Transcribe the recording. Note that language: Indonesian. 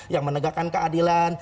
yang menegakkan keadilan